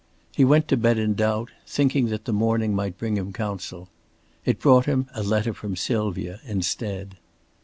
He went to bed in doubt, thinking that the morning might bring him counsel. It brought him a letter from Sylvia instead.